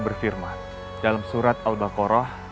berfirman dalam surat al baqarah